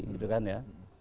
gitu kan ya